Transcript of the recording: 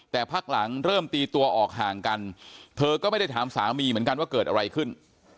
แต่พักหลังเริ่มตีตัวออกห่างกันเธอก็ไม่ได้ถามสามีเหมือนกันว่าเกิดอะไรขึ้น